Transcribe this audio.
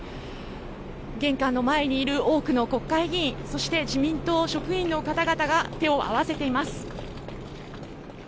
玄関の前にいる多くの国会議員そして自民党職員の方々が手を合わせています。